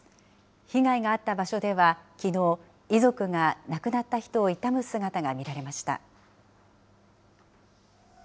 被害があった場所ではきのう、遺族が亡くなった人を悼む姿が見られました。